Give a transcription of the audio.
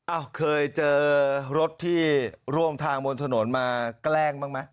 เคยเจอรถที่ร่วมทางบนถนนมาแกล้งบ้างไหม